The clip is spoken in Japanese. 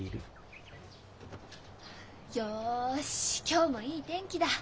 今日もいい天気だ。